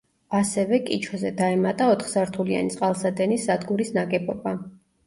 ასევე, კიჩოზე დაემატა ოთხსართულიანი წყალსადენის სადგურის ნაგებობა.